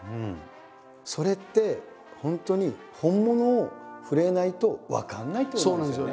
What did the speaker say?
それって本当に本物を触れないと分かんないってことなんですよね。